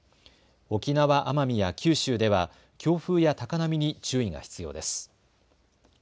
沖縄・奄美や九州では強風や高波に注意が必要です。